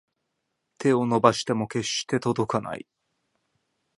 手を伸ばしても決して届かない